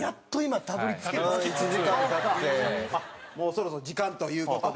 そこの境地にもうそろそろ時間という事で。